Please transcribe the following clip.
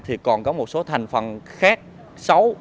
thì còn có một số thành phần khác xấu